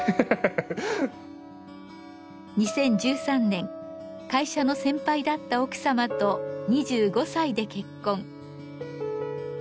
２０１３年会社の先輩だった奥さまと２５歳で結婚。